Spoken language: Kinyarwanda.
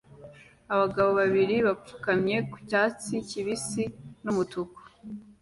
Abagabo babiri bapfukamye ku cyatsi kibisi n'umutuku